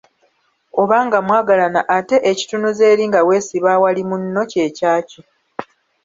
Oba nga mwagalagana ate ekitunuza eri nga weesiba awali munno kye kyaki?